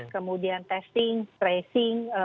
kemudian testing tracing